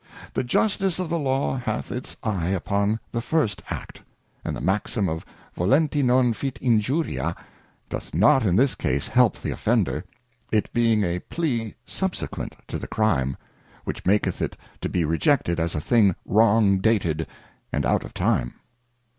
The Justice of the Law hath its eye upon the first act, and the Maxim of Volenti non fit injuria, doth not in this case help the Offender, it being a plea subsequent to the Crime, which maketh it to be rejected as a thing wrong dated and out of time.